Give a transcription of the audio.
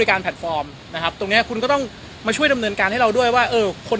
โอเคไปแล้วอันนี้มันชัดเลยว่ามินประมาณ